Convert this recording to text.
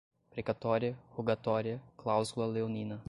precatória, rogatória, cláusula leonina